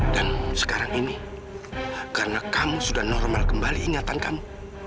dan sekarang ini karena kamu sudah normal kembali ingatan kamu